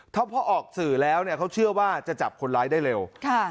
ถ้าพอออกสื่อแล้วเขาเชื่อว่าจะจับคนร้ายได้เร็ว